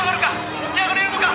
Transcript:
起き上がれるのか！？